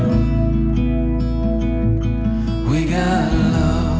เรื่องรัก